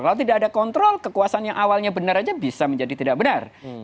kalau tidak ada kontrol kekuasaan yang awalnya benar aja bisa menjadi tidak benar